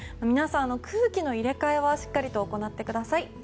皆さんの空気の入れ替えはしっかりと行ってください。